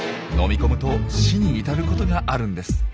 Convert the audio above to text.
飲み込むと死に至ることがあるんです。